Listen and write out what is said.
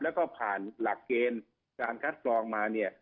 แล้วก็ผ่านหลักเกณฑ์การคัดกรองมาเนี่ย